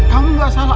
kamu gak salah